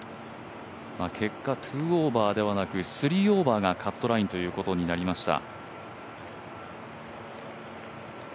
結果、２オーバーではなく３オーバーがカットラインということになりました。